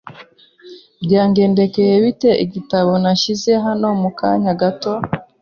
Byagendekeye bite igitabo nashyize hano mu kanya gato?